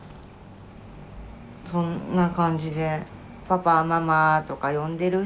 そんな感じでパパママとか呼んでる